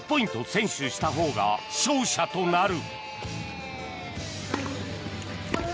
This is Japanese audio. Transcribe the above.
先取したほうが勝者となる。